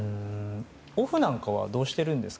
オフなんかはどうしてるんですか？